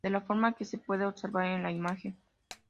De la forma que se puede observar en la imagen.